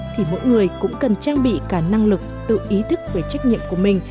thì mỗi người cũng cần trang bị cả năng lực tự ý thức về trách nhiệm của mình